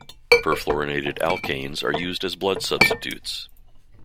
Perfluorinated alkanes are used as blood substitutes.